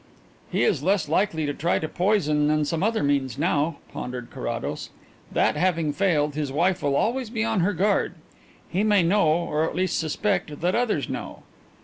"He is less likely to try poison than some other means now," pondered Carrados. "That having failed, his wife will always be on her guard. He may know, or at least suspect, that others know.